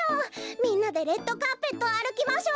みんなでレッドカーペットあるきましょう！